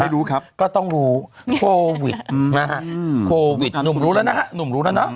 ไม่รู้ครับก็ต้องรู้โควิดนะฮะโควิดหนุ่มรู้แล้วนะฮะหนุ่มรู้แล้วเนาะ